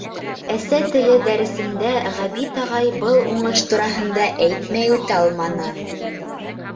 Әсә теле дәресендә Ғәбит ағай был уңыш тураһында әйтмәй үтә алманы.